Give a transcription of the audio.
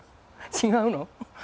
違うの？